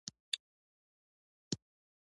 په شرمېدلې بڼه يې د کړکۍ لور ته وکتل.